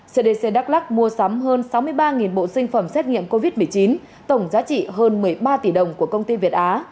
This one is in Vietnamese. cdc đắk lắc mua sắm hơn sáu mươi ba bộ sinh phẩm xét nghiệm covid một mươi chín tổng giá trị hơn một mươi ba tỷ đồng của công ty việt á